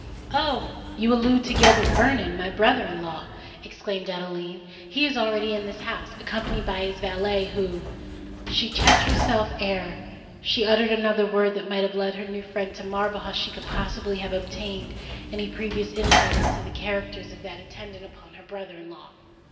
"Oh! you allude to Gilbert Vernon—my brother in law!" exclaimed Adeline. "He is already in this house—accompanied by his valet, who——" She checked herself ere she uttered another word that might have led her new friend to marvel how she could possibly have obtained any previous insight into the character of that attendant upon her brother in law.